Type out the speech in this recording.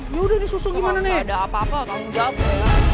ya udah nih susu gimana nih ada apa apa kamu jatuh ya